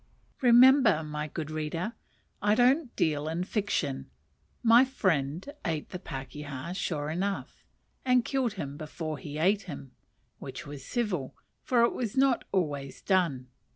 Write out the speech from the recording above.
Remember, my good reader, I don't deal in fiction; my friend ate the pakeha sure enough, and killed him before he ate him: which was civil, for it was not always done.